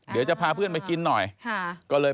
เดี๋ยวจะพาเพื่อนมากินหน่อย